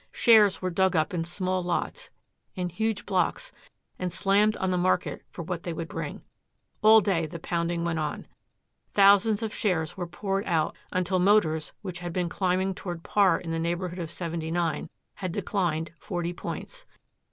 Shares were dug up in small lots, in huge blocks and slammed on the market for what they would bring. All day the pounding went on. Thousands of shares were poured out until Motors which had been climbing toward par in the neighborhood of 79 had declined forty points.